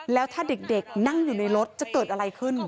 แล้วถ้าเด็กนั่งอยู่ในรถจะเกิดอะไรขึ้น